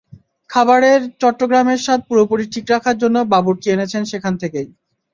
খাবারে চট্টগ্রামের স্বাদ পুরোপুরি ঠিক রাখার জন্য বাবুর্চি এনেছেন সেখান থেকেই।